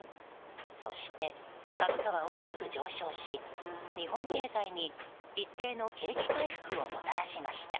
そして株価は大きく上昇し日本経済に一定の景気回復をもたらしました。